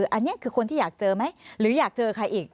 อันนี้คือคนที่อยากเจอไหมหรืออยากเจอใครอีก